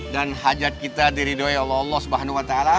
dan hajat kita diri doa ya allah allah subhanahu wa ta'ala